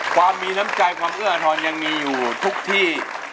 ความมีน้ำใจความเอื้ออาทรยังมีอยู่ทุกที่